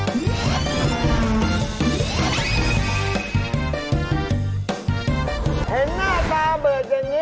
สวัสดีครับทุกคน